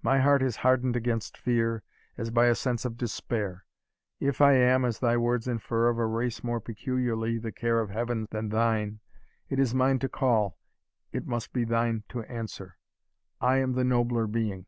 My heart is hardened against fear, as by a sense of despair. If I am, as thy words infer, of a race more peculiarly the care of Heaven than thine, it is mine to call, it must be thine to answer. I am the nobler being."